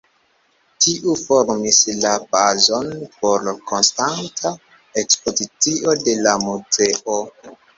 Tiu formis la bazon por konstanta ekspozicio de la muzeo.